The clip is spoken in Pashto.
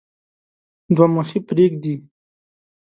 دوه مخي پريږدي.